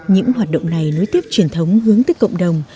những hoạt động này nối tiếp truyền thống hướng tới cộng đồng